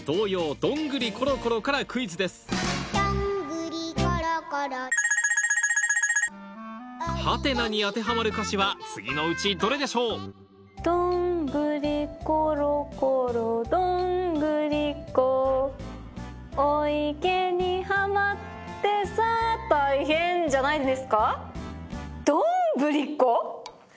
どんぐりころころどんぐりこお池にはまってさあ大変じゃないんですか。